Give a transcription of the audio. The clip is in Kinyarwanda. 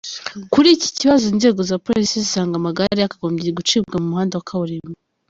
Kuri iki kibazo inzego za Polisi zisanga amagare yakagombye gucibwa mu muhanda wa kaburimbo.